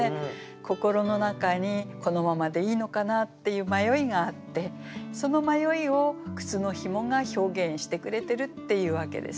心の中にこのままでいいのかなっていう迷いがあってその迷いを靴のひもが表現してくれてるっていうわけですね。